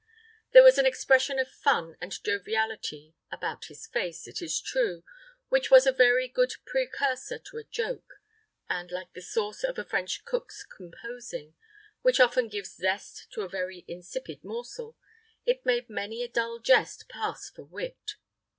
There was an expression of fun and joviality about his face, it is true, which was a very good precursor to a joke, and, like the sauce of a French cook's composing, which often gives zest to a very insipid morsel, it made many a dull jest pass for wit.